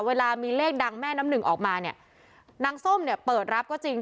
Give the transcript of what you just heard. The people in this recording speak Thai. เวลามีเลขดังแม่น้ำหนึ่งออกมาเนี่ยนางส้มเนี่ยเปิดรับก็จริง